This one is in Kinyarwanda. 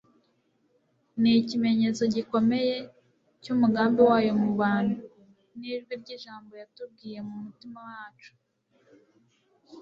ni ikimenyetso gikomeye cy'umugambi wayo mu bantu, ni ijwi ry'ijambo yatubwiye mu mutima wacu